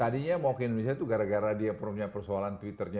tadinya mau ke indonesia itu gara gara dia punya persoalan twitternya